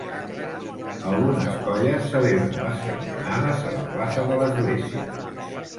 Algunes colles celebren les campanades a la plaça de l'església.